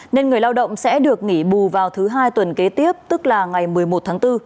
nên người lao động sẽ được nghỉ bù vào thứ hai tuần kế tiếp tức là ngày một mươi một tháng bốn